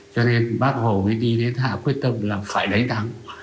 cho nên bác hồ mới đi đến hạ quyết tâm là phải đánh đắng